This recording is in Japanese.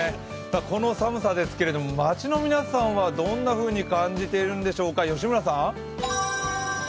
この寒さですけれども街の皆さんはどんなふうに感じてるんでしょうか。